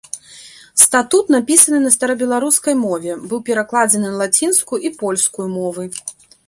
Статут напісаны на старабеларускай мове, быў перакладзены на лацінскую і польскую мовы.